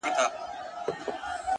د عمل نشتون فرصتونه له منځه وړي.!